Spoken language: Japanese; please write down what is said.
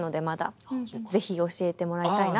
是非教えてもらいたいなと。